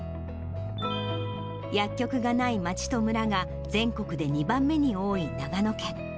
薬局がない町と村が全国で２番目に多い長野県。